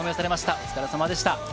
お疲れ様でした。